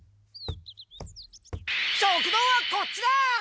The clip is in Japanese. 食堂はこっちだ！